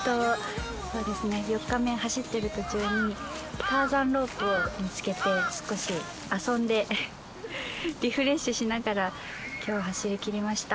４日目、走ってる途中にターザンロープを見つけて少し遊んでリフレッシュしながら今日、走りきりました。